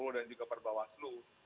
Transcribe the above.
dan juga perbawah selu